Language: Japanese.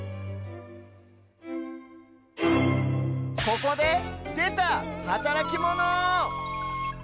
ここででたはたらきモノ！